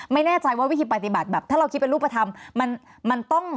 ไม่แน่ใจว่าวิธีปฏิบัติแบบถ้าเราคิดเป็นรูปธรรมมันต้อง